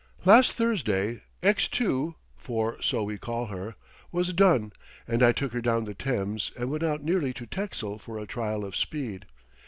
Last Thursday X 2, for so we call her, was done and I took her down the Thames and went out nearly to Texel for a trial of speed.